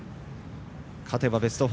勝てばベスト４。